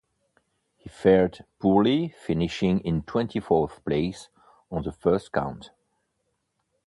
He fared poorly, finishing in twenty-fourth place on the first count.